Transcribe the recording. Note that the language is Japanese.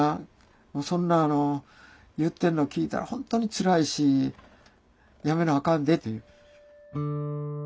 もうそんなあの言ってるの聞いたら本当につらいしやめなあかんで」と。